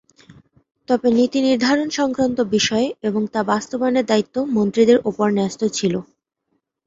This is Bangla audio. তবে নীতি নির্ধারণ সংক্রান্ত বিষয় এবং তা বাস্তবায়নের দায়িত্ব মন্ত্রীদের ওপর ন্যস্ত ছিল।